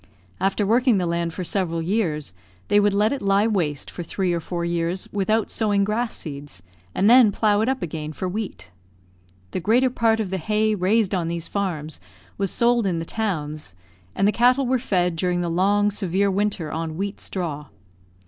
After working the land for several years, they would let it lie waste for three or four years without sowing grass seeds, and then plough it up again for wheat. The greater part of the hay raised on these farms was sold in the towns, and the cattle were fed during the long severe winter on wheat straw.